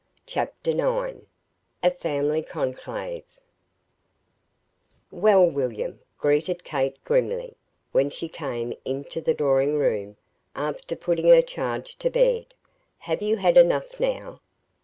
CHAPTER IX A FAMILY CONCLAVE "Well, William," greeted Kate, grimly, when she came into the drawing room, after putting her charge to bed, "have you had enough, now?"